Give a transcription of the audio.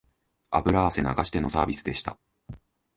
油汗流してのサービスでした